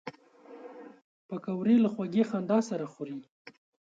پکورې له خوږې خندا سره خوري